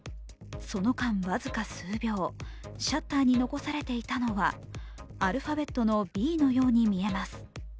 その間、僅か数秒、シャッターに残されていたのはアルファベットの「Ｂ」のように見えます。